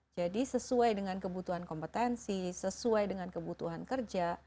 jadi sesuai dengan kebutuhan kompetensi sesuai dengan kebutuhan kerja